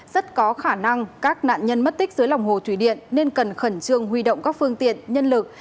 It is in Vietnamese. rất có khả năng các nạn nhân mất tích dưới lòng hồ thủy điện nên cần khẩn trương huy động các phương tiện nhân lực